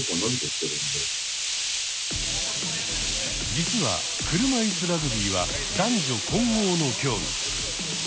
実は車いすラグビーは男女混合の競技。